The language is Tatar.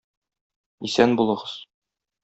Исән булыгыз!